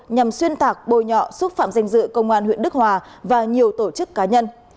nhằm xuyên tạc bôi nhọ xúc phạm danh dự công an huyện đức hòa và nhiều tổ chức cá nhân